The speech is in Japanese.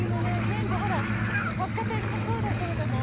全部ほら百貨店もそうだけれども。